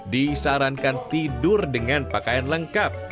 disarankan tidur dengan pakaian lengkap